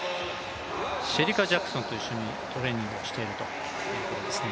シェリカ・ジャクソンと一緒にトレーニングをしているということですね。